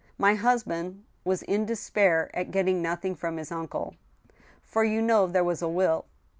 My husband was in despair at getting nothing from his uncle. ... For you know there was a will